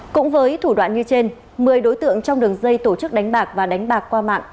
cũng với thủ đoạn như trên một mươi đối tượng trong đường dây tổ chức đánh bạc và đánh bạc qua mạng